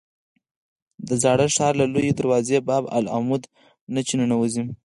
د زاړه ښار له لویې دروازې باب العمود نه چې ننوځې.